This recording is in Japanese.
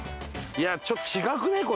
いやちょっと違くない？